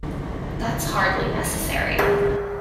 That's hardly necessary.